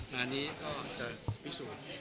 งานนี้ก็จะพิสูจน์